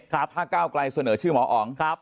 ห้าเก้าไกลเสนอชื่อหมออ๋อง